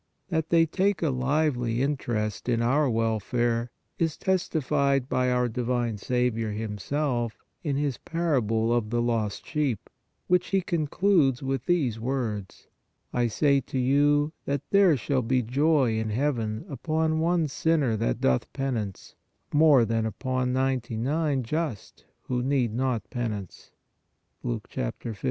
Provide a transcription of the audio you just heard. That they take a lively inter est in our welfare is testified by our divine Saviour Himself in His parable of the Lost Sheep, which He concludes with these words :" I say to you, that there shall be joy in heaven upon one sinner that doth penance, more than upon ninety nine just who need not penance" (Luke 15.